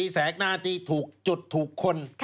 แสกหน้าตีถูกจุดถูกคน